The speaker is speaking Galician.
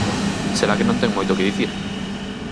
Será que non ten moito que dicir.